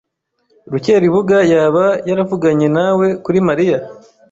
Rukeribuga yaba yaravuganye nawe kuri Mariya?